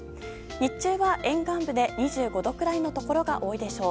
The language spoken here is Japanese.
日中は沿岸部で２５度くらいのところが多いでしょう。